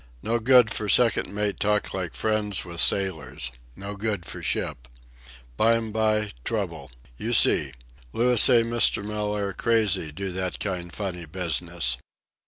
No good for second mate talk like friend with sailors. No good for ship. Bime by trouble. You see. Louis say Mr. Mellaire crazy do that kind funny business."